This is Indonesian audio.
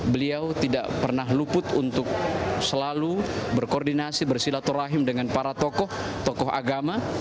beliau tidak pernah luput untuk selalu berkoordinasi bersilaturahim dengan para tokoh tokoh agama